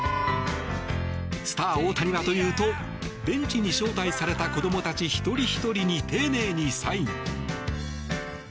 スター、大谷はというとベンチに招待された子どもたち一人ひとりに丁寧にサイン。